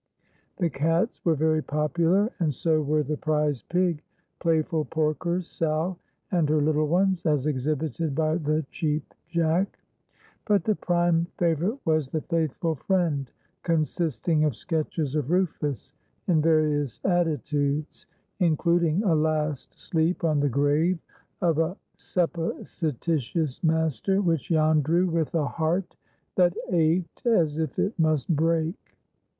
The cats were very popular, and so were the Prize Pig, Playful Porkers, Sow and her Little Ones, as exhibited by the Cheap Jack. But the prime favorite was "The Faithful Friend," consisting of sketches of Rufus in various attitudes, including a last sleep on the grave of a supposititious master, which Jan drew with a heart that ached as if it must break.